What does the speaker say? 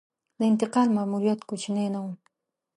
د انتقال ماموریت کوچنی نه و.